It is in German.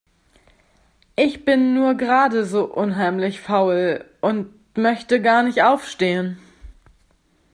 Ich bin nur gerade so unheimlich faul. Und möchte gar nicht aufstehen.